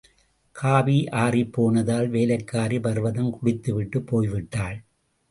Coffee ஆறிப் போனதால், வேலைக்காரி பர்வதம் குடித்து விட்டுப் போய்விட்டாள்.